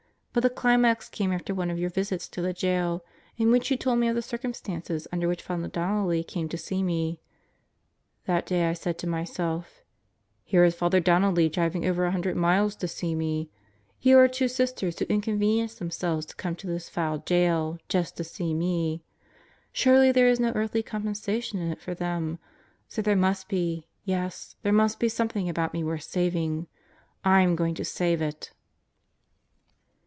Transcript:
But the climax came after one of your visits to the jail in which you told me of the circumstances under which Father Donnelly came to see me. That day I said to myself: "Here is Father Donnelly driving over a hundred miles to see me. Here are two Sisters who inconvenience themselves to come to this foul jail, just to see me. Surely, there is no earthly compensation in it for them. So there must be, yes there must be something about me worth saving. I'm going to save it!"